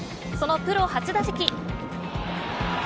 そのプロ初打席。